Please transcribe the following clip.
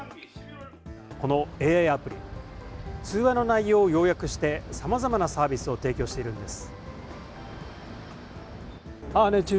このＡＩアプリ、通話の内容を要約して、さまざまなサービスを提供しているんです。